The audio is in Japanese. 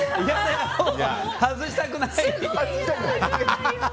外したくない。